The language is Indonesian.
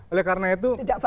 oleh karena itu